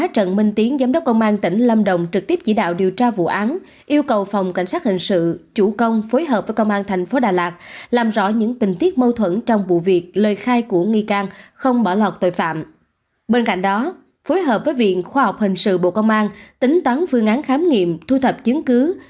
trần minh tiến giám đốc công an tỉnh lâm đồng đã trực tiếp đến hiện trường khẩn trương áp dụng đồng bộ các biện pháp điều tra để nhanh chóng làm rõ vụ án mạng